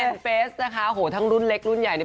เป็นเฟสนะคะโหทั้งรุ่นเล็กรุ่นใหญ่เนี่ย